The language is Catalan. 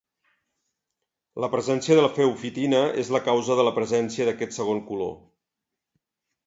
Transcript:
La presència de feofitina és la causa de la presència d'aquest segon color.